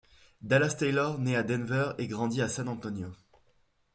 Dallas Taylor naît à Denver et grandit à San Antonio.